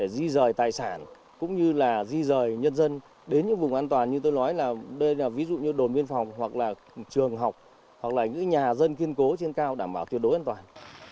di rời tài sản cũng như là di rời nhân dân đến những vùng an toàn như tôi nói là đây là ví dụ như đồn biên phòng hoặc là trường học hoặc là những nhà dân kiên cố trên cao đảm bảo tuyệt đối an toàn